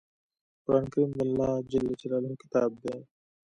قرآن کریم د الله ج کلام دی